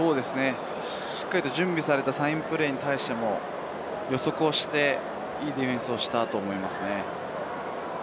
しっかり準備されたサインプレーに対して予測をしてディフェンスをしたと思いますね。